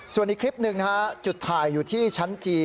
ส่วนอีกคลิปหนึ่งนะฮะจุดถ่ายอยู่ที่ชั้นจีน